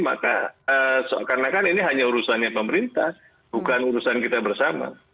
maka seakan akan ini hanya urusannya pemerintah bukan urusan kita bersama